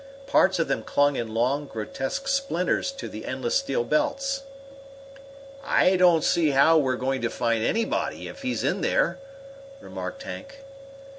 Parts of them clung in long, grotesque splinters to the endless steel belts. "I don't see how we're going to find anybody if he's in there," remarked Hank.